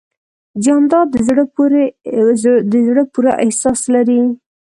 جانداد د زړه پوره احساس لري.